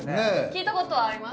聞いたことはあります？